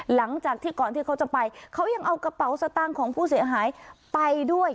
หลังจากที่ก่อนที่เขาจะไปเขายังเอากระเป๋าสตางค์ของผู้เสียหายไปด้วย